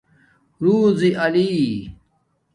رُزݵ علی